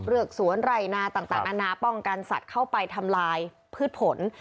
เรือกสวนไร่หน้าต่างต่างอาณาป้องกันสัตว์เข้าไปทำลายพืชผล